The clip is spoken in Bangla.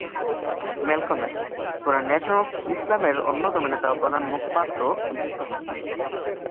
ম্যালকম এক্স পরে নেশন অব ইসলামের অন্যতম নেতা ও প্রধান মুখপাত্র নিযুক্ত হন।